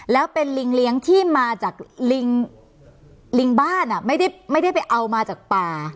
แล้วเป็นลิงเลี้ยงที่มาจากลิงบ้านไม่ได้ไปเอามาจากป่า